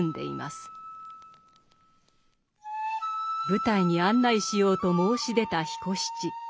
舞台に案内しようと申し出た彦七。